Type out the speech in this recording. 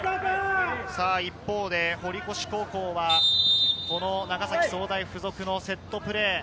堀越高校は長崎総大附属のセットプレー。